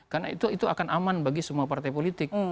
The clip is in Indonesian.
karena itu akan aman bagi semua partai politik